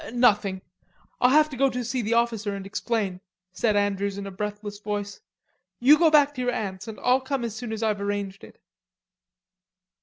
"Nothing. I'll have to go see the officer and explain," said Andrews in a breathless voice. "You go back to your Aunt's and I'll come as soon as I've arranged it."